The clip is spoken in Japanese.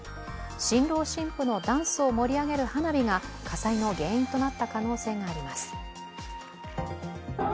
新郎新婦のダンスを盛り上げる花火が火災の原因となった可能性があります。